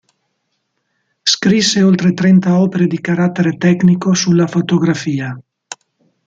Scrisse oltre trenta opere di carattere tecnico sulla fotografia.